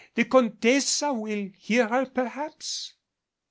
The Contessa will hear her, perhaps?"